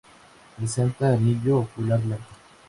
Presenta anillo ocular blanco.